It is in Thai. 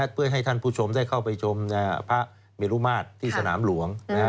เพื่อให้ท่านผู้ชมได้เข้าไปชมพระเมรุมาตรที่สนามหลวง